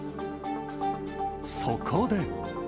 そこで。